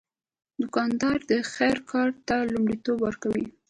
دوکاندار د خیر کار ته لومړیتوب ورکوي.